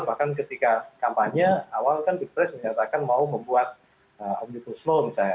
bahkan ketika kampanye awal kan di pres menyatakan mau membuat omnibus law misalnya